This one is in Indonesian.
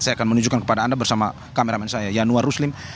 saya akan menunjukkan kepada anda bersama kameramen saya yanuar ruslim